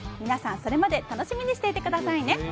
皆さんそれまで楽しみにしていてくださいね。